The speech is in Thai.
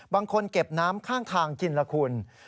บางคนเก็บน้ำข้างทางกินล่ะคุณ